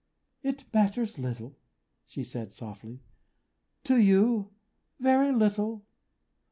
"It matters little," she said, softly. "To you, very little.